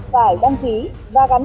phải đăng ký và gắn